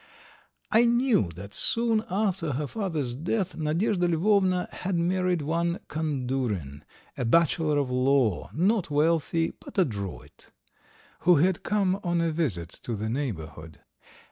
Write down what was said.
I knew that soon after her father's death Nadyezhda Lvovna had married one Kandurin, a bachelor of law, not wealthy, but adroit, who had come on a visit to the neighbourhood.